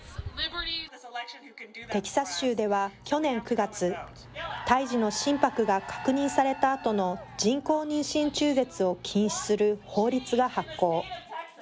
テキサス州では去年９月、胎児の心拍が確認されたあとの人工妊娠中絶を禁止する法律が発効。